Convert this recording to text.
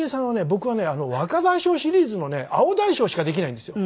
僕はね『若大将シリーズ』のね青大将しかできないんですよ。